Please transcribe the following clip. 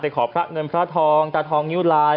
ขอพระเงินพระทองตาทองนิ้วลาย